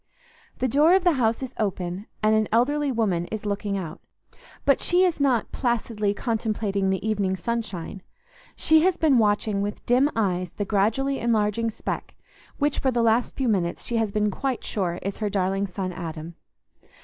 The door of the house is open, and an elderly woman is looking out; but she is not placidly contemplating the evening sunshine; she has been watching with dim eyes the gradually enlarging speck which for the last few minutes she has been quite sure is her darling son Adam.